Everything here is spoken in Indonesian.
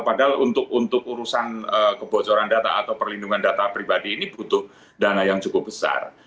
padahal untuk urusan kebocoran data atau perlindungan data pribadi ini butuh dana yang cukup besar